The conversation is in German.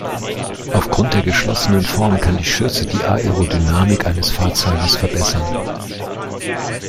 Aufgrund der geschlossenen Form kann die Schürze die Aerodynamik eines Fahrzeugs verbessern.